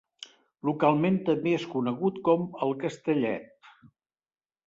Localment també és conegut com el Castellet.